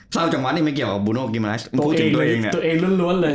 เศร้าจังวะนี่ไม่เกี่ยวกับบูโน่กิมมารัชตัวเองรว้น